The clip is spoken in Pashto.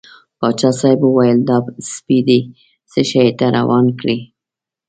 پاچا صاحب وویل دا سپی دې څه شي ته روان کړی.